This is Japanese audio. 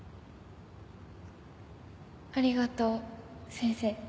ありがとう先生。